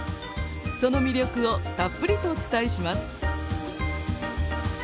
その魅力をたっぷりとお伝えします。